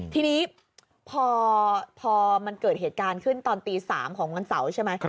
ทีนี้พอมันเกิดเหตุการณ์ขึ้นตอนตี๓ของวันเสาร์ใช่ไหม